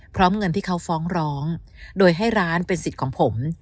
เงินที่เขาฟ้องร้องโดยให้ร้านเป็นสิทธิ์ของผม